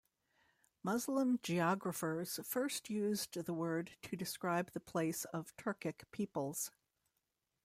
Muslim geographers first used the word to describe the place of Turkic peoples.